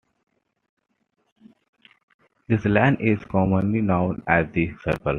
This line, is commonly known as the circle.